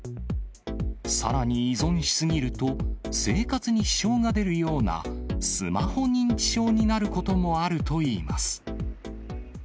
さらに依存し過ぎると、生活に支障が出るような、スマホ認知症になることもあるといいます。